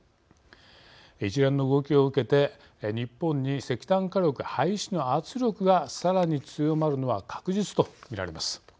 一連の動きを受けて日本に石炭火力廃止の圧力がさらに強まるのは確実とみられます。